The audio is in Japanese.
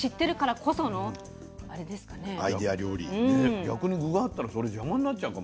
逆に具があったらそれ邪魔になっちゃうかも。